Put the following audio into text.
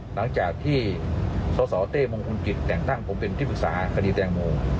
หลังจากที่สสเต้มงคลกิจแต่งตั้งผมเป็นที่ปรึกษาคดีแตงโม